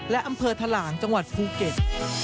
และอำเภอถลางจังหวัดภูเก็ต